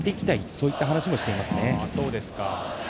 そういった話もしていますね。